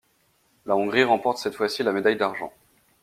La Hongrie remporte cette fois-ci la médaille d'argent.